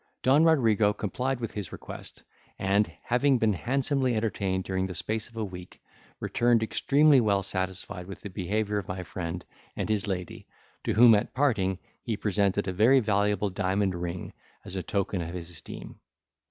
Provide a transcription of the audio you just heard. Don Rodrigo complied with his request, and, having been handsomely entertained during the space of a week, returned extremely well satisfied with the behaviour of my friend and his lady, to whom, at parting, he presented a very valuable diamond ring, as a token of his esteem.